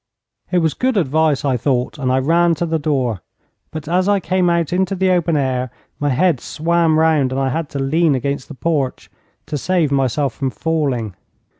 It was good advice, I thought, and I ran to the door, but as I came out into the open air my head swam round and I had to lean against the porch to save myself from falling.